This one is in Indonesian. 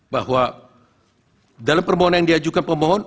bahwa dalam permohonan yang diajukan pemohon